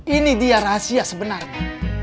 ini dia rahasia sebenarnya